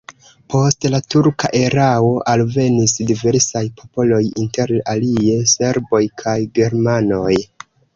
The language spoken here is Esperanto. Post la turka erao alvenis diversaj popoloj, inter alie serboj kaj germanoj.